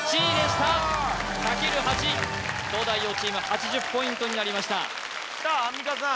かける８東大王チーム８０ポイントになりましたきたアンミカさん